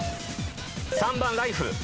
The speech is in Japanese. ３番ライフ。